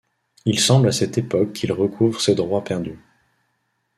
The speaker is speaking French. Il semble à cette époque qu'il recouvre ses droits perdus.